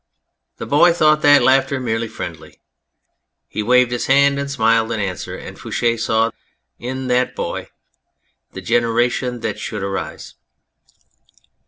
The boy thought that laughter merely friendly. He waved his hand and smiled an answer, and Fouche saw in that boy the generation that should arise.